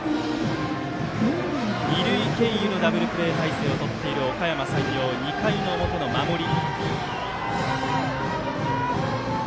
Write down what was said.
二塁経由のダブルプレー態勢をとっているおかやま山陽、２回の表の守り。